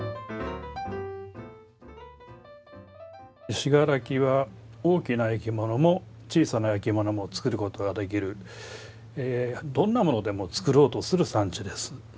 信楽は大きな焼き物も小さな焼き物も作ることができるどんなものでも作ろうとする産地です。